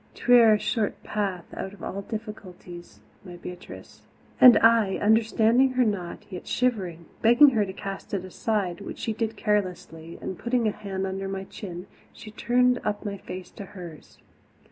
'Twere a short path out of all difficulties, my Beatrice." And I, understanding her not, yet shivering, begged her to cast it aside, which she did carelessly and, putting a hand under my chin, she turned up my face to hers.